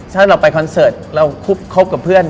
ถ้าเราไปคอนเสิร์ตเราคบกับเพื่อน